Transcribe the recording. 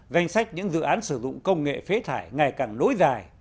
danh sách những dự án sử dụng công nghệ phế thải ngày càng nối dài